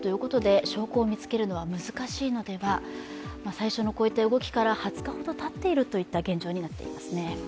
最初のこういった動きから２０日ほどたっているという現状になっていますね。